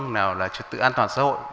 nào là trật tự an toàn xã hội